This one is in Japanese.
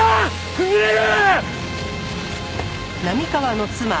崩れる！